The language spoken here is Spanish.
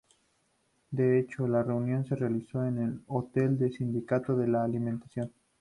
De hecho la reunión se realizó en el hotel del Sindicato de la Alimentación.